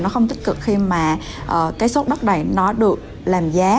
nó không tích cực khi mà cái sốt đất này nó được làm giá